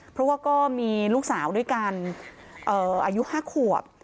เพราะว่าก็มีลูกสาวด้วยกันอายุ๕ขวบ